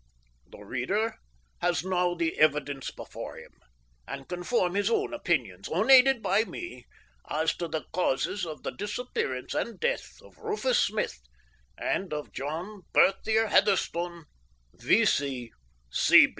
The reader has now the evidence before him, and can form his own opinions unaided by me as to the causes of the disappearance and death of Rufus Smith and of John Berthier Heatherstone, V.